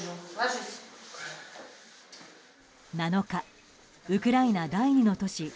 ７日、ウクライナ第２の都市